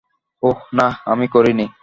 ওহ, না, আমি করিনি।